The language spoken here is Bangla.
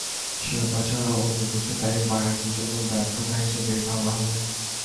শিরোপা ছাড়া অন্য কিছু তাই বায়ার্নের জন্য ব্যর্থতা হিসেবেই ধরা হবে।